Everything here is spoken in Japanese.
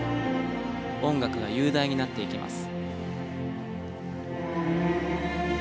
音楽が雄大になっていきます。